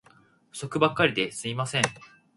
不足ばっかりで進みません